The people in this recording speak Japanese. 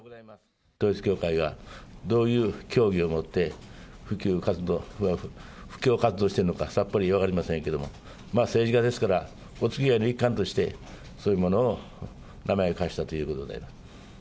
統一教会がどういう教義を持って布教活動をしているのか、さっぱり分かりませんけれども、まあ、政治家ですから、おつきあいの一環として、そういうものを名前を貸したということで。